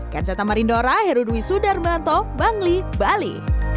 kansai tamarindora herudwi sudarmantho bangli bali